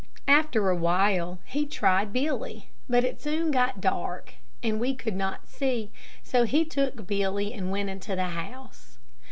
After a while he tried Billy, but it soon got dark, and we could not see, so he took Billy and went into the house.